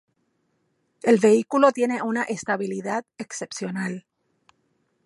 El vehículo tiene una estabilidad excepcional.